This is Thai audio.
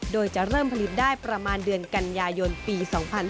โดยจะเริ่มผลิตได้ประมาณเดือนกันยายนปี๒๕๕๙